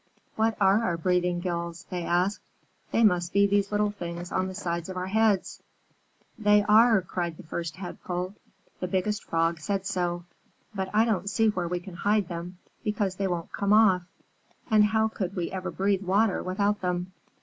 "What are our breathing gills?" they asked. "They must be these little things on the sides of our heads." "They are!" cried the First Tadpole. "The Biggest Frog said so. But I don't see where we can hide them, because they won't come off. And how could we ever breathe water without them?"